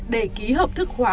để ký hợp thức khóa